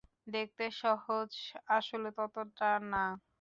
দেখতে যত সহজ, আসলে ততটা না।